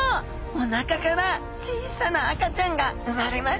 おなかから小さな赤ちゃんが産まれましたね。